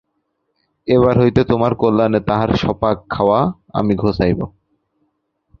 এবার হইতে তোমার কল্যাণে তাহার স্বপাক খাওয়া আমি ঘোচাইব।